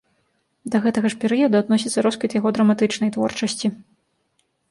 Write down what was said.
Да гэтага ж перыяду адносіцца росквіт яго драматычнай творчасці.